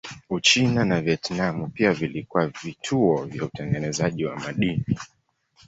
Uchina na Vietnam pia vilikuwa vituo vya utengenezaji wa madini.